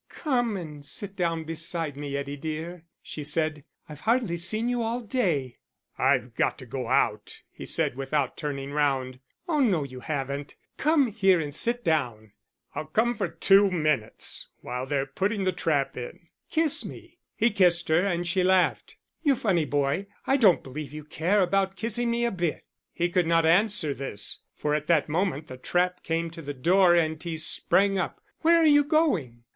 "Come and sit down beside me, Eddie dear," she said. "I've hardly seen you all day." "I've got to go out," he said, without turning round. "Oh no, you haven't. Come here and sit down." "I'll come for two minutes, while they're putting the trap in." "Kiss me." He kissed her and she laughed. "You funny boy, I don't believe you care about kissing me a bit." He could not answer this, for at that moment the trap came to the door and he sprang up. "Where are you going?"